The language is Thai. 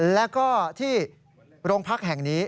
แล้วก็ที่โรงพักแห่งนี้